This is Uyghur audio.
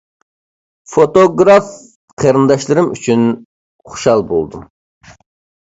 فوتوگراف قېرىنداشلىرىم ئۈچۈن خۇشال بولدۇم.